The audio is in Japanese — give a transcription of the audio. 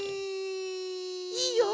いいよ